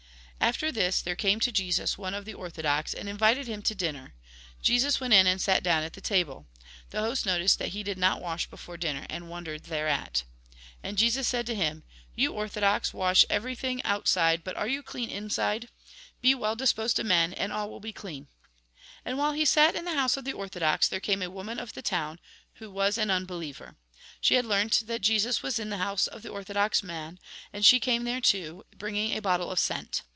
After this there came to Jesus one of the ortho dox, and invited him to dinner. Jesus went in and sat down at table. The host noticed that he did not wash before dianer, and wondered thereat. And Jesus said to him :" You orthodox wash every thing outside ; but are you clean inside ? Be well disposed to men, and all will be clean." And while he sat in the house of the orthodox, there came a woman of the town, who was an un believer. She had learnt that Jesus was ia the house of the orthodox man, and she came there too, bringing a bottle of scent.